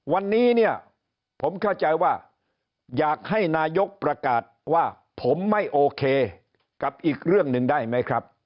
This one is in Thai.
วันนี้เนี่ยผมเข้าใจว่าอยากให้นายกประกาศว่าผมไม่โอเคกับอีกเรื่องหนึ่งได้ไหมครับ